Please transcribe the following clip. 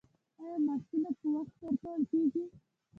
آیا معاشونه په وخت ورکول کیږي؟